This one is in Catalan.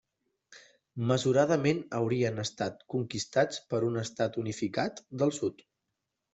Mesuradament haurien estat conquistats per un estat unificat del Sud.